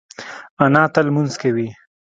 انا تل لمونځ کوي